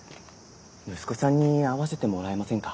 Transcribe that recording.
息子さんに会わせてもらえませんか？